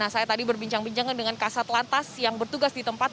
saya tadi berbincang bincang dengan kasat lantas yang bertugas di tempat